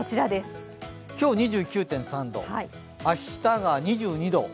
今日２９．２度、明日が２２度。